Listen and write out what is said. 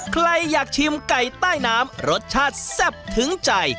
ใครอยากชิมไก่ใต้น้ำรสชาติแซ่บถึงใจ